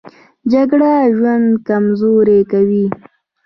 جګړه ژوند کمزوری کوي